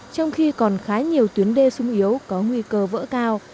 trong khi còn khá nhiều tuyến đê sung yếu có nguy cơ vỡ cao